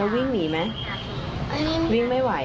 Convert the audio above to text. แล้ววิ่งหนีมั้ยวิ่งไม่ไหว